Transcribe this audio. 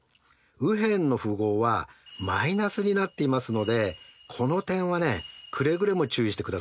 右辺の符号は−になっていますのでこの点はくれぐれも注意してくださいよ。